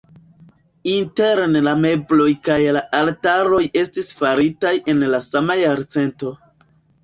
Interne la mebloj kaj la altaroj estis faritaj en la sama jarcento.